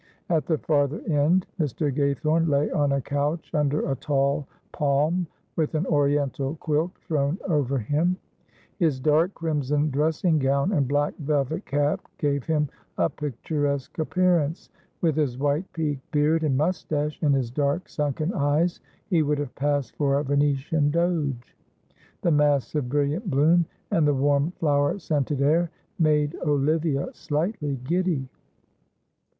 At the farther end Mr. Gaythorne lay on a couch under a tall palm, with an oriental quilt thrown over him; his dark crimson dressing gown, and black velvet cap gave him a picturesque appearance; with his white peaked beard and moustache, and his dark sunken eyes, he would have passed for a Venetian Doge; the mass of brilliant bloom, and the warm flower scented air made Olivia slightly giddy.